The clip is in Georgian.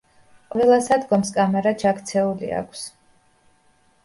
ყველა სადგომს კამარა ჩაქცეული აქვს.